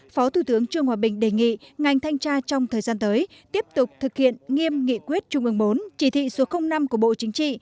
phó thủ tướng trương hòa bình đề nghị ngành thanh tra trong thời gian tới tiếp tục thực hiện nghiêm nghị quyết trung ương bốn chỉ thị số năm của bộ chính trị